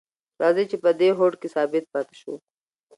راځئ چې په دې هوډ کې ثابت پاتې شو.